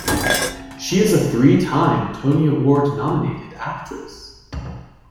She is a three-time Tony Award-nominated actress.